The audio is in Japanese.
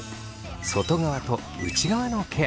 外側と内側のケア。